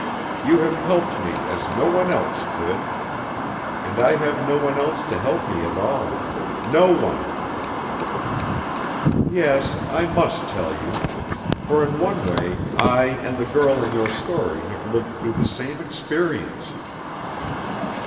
You have helped me as no one else could. And I have no one else to help me at all no one. "Yes, I must tell you! for in one way I and the girl in your story have lived through the same experience.